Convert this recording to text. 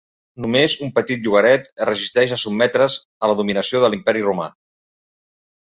Només un petit llogaret es resisteix a sotmetre's a la dominació de l'Imperi Romà.